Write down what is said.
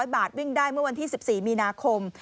๐บาทวิ่งได้เมื่อวันที่๑๔มีนาคม